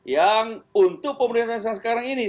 yang untuk pemerintahan yang sekarang ini